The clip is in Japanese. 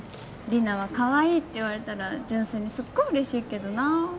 リナはかわいいって言われたら純粋にすっごいうれしいけどな。